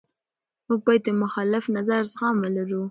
موږ باید د مخالف نظر زغم ولرو.